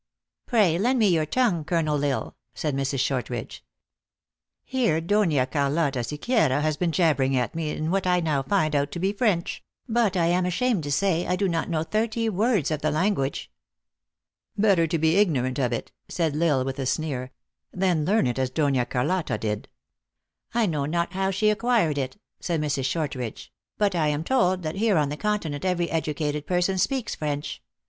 " Pray, lend me your tongue, Colonel L Isle," said Mrs. Shortridge. " Here Dona Carlotta Sequiera has been jabbering at me in what I now find out to be French ; but I am ashamed to say, I do not know thirty words of the language." "Better to be ignorant of it," said L Isle with a sneer, "than learn it as Dona Carlotta did." " I know not how she acquired it," said Mrs. Short ridge, " but I am told that here on the continent every educated person speaks French.